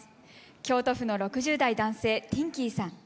京都府の６０代・男性ティンキーさん。